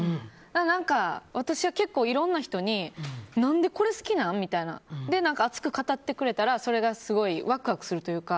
何か私は結構いろんな人に何でこれ好きなん？みたいな熱く語ってくれたら、それがすごいワクワクするというか。